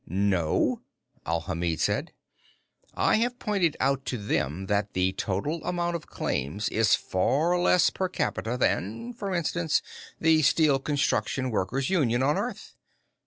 "No," Alhamid said. "I have pointed out to them that the total amount of the claims is far less per capita than, for instance, the Steel Construction Workers' Union of Earth.